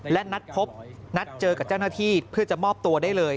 และนัดพบนัดเจอกับเจ้าหน้าที่เพื่อจะมอบตัวได้เลย